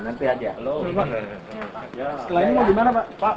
setelah ini mau dimana pak